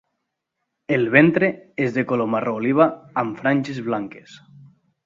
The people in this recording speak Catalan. El ventre és de color marró oliva amb franges blanques.